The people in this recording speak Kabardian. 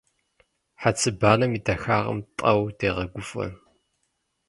Хьэцыбанэм и дахагъэм тӀэу дегъэгуфӀэ.